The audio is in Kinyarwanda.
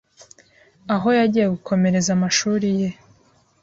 aho yagiye gukomereza amashuri ye